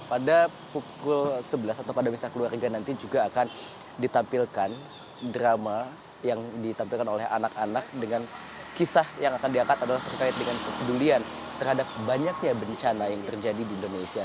pada pukul sebelas atau pada misah keluarga nanti juga akan ditampilkan drama yang ditampilkan oleh anak anak dengan kisah yang akan diangkat adalah terkait dengan kepedulian terhadap banyaknya bencana yang terjadi di indonesia